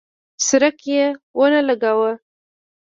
څرک یې ونه لګاوه.